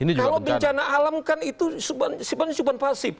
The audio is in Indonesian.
kalau bencana alam kan itu simpan sipan pasif